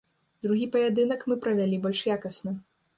Другі паядынак мы правялі больш якасна.